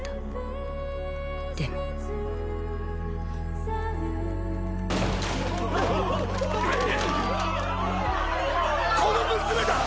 でもこの娘だ！